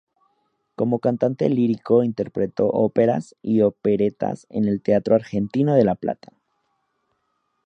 Como cantante lírico interpretó óperas y operetas en el Teatro Argentino de La Plata.